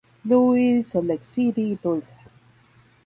Louis, Salt Lake City, y Tulsa.